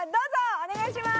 お願いします。